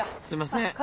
すいません。